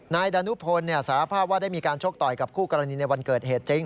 ดานุพลสารภาพว่าได้มีการชกต่อยกับคู่กรณีในวันเกิดเหตุจริง